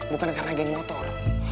bukan karena geng motor